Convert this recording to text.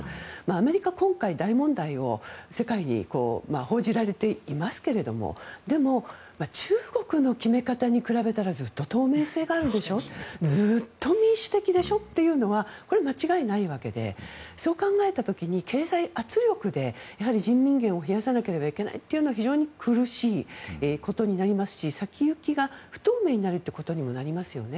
アメリカ、今回、大問題を世界に報じられていますけれどでも、中国の決め方に比べたらずっと透明性があるでしょずっと民主的でしょというのは間違いないわけでそう考えた時に経済圧力で人民元を増やさなければいけないというのは非常に苦しいことになりますし先行きが不透明になるということにもなりますよね。